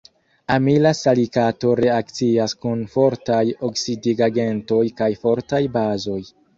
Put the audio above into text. Amila salikato reakcias kun fortaj oksidigagentoj kaj fortaj bazoj.